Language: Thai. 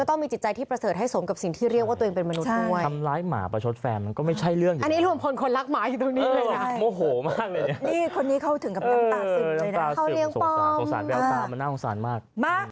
เขาเนียงโทรภัมธ์